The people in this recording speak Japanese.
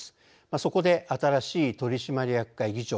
そこで新しい取締役会議長